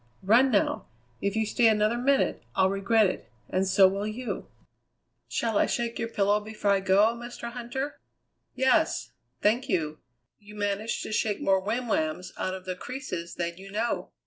Run now! If you stay another minute I'll regret it, and so will you." "Shall I shake your pillow before I go, Mr. Huntter?" "Yes. Thank you. You manage to shake more whim whams out of the creases than you know."